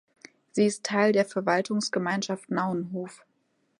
Sie ist Teil der Verwaltungsgemeinschaft Naunhof.